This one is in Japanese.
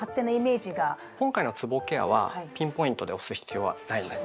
今回のつぼケアはピンポイントで押す必要はないんです。